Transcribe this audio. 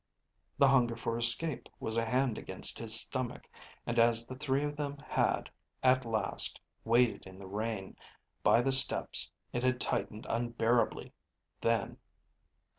The hunger for escape was a hand against his stomach, and as the three of them had, at last, waited in the rain by the steps, it had tightened unbearably. Then